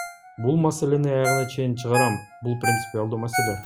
Бул маселени аягына чейин чыгарам, бул принципиалдуу маселе!